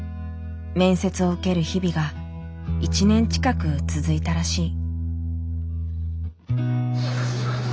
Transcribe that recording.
面接を受ける日々が１年近く続いたらしい。